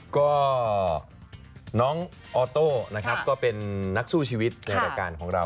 ก็น้องออโต้นะครับก็เป็นนักสู้ชีวิตในรายการของเรา